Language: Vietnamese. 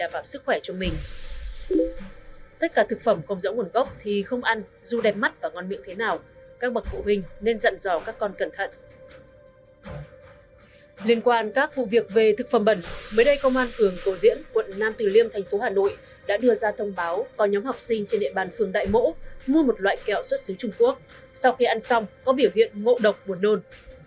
về thực phẩm bẩn mới đây công an phường cầu diễn quận nam từ liêm thành phố hà nội đã đưa ra thông báo có nhóm học sinh trên địa bàn phường đại mỗ mua một loại kẹo xuất xứ trung quốc sau khi ăn xong có biểu hiện ngộ độc buồn nôn